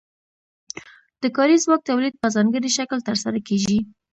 د کاري ځواک تولید په ځانګړي شکل ترسره کیږي.